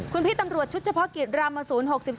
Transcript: คุณพี่ตำรวจชุดเฉพาะกิจรามศูนย์๖๒